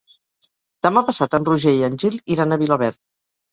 Demà passat en Roger i en Gil iran a Vilaverd.